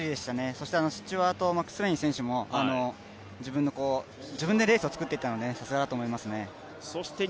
そしてスチュアート・マクスウェイン選手も自分でレースを作っていったので、さすがだと思いましたね。